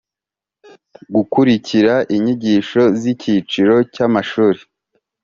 Gukurikira inyigisho z icyiciro cy amashuri